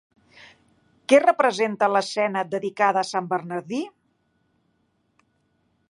Què representa l'escena dedicada a sant Bernadí?